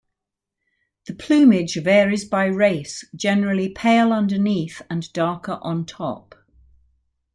The plumage varies by race, generally pale underneath and darker on top.